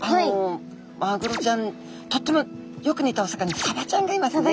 マグロちゃんとってもよく似たお魚サバちゃんがいますね。